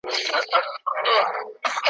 نور به هر څه خاوری کېږی خو زما مینه به پاتېږی `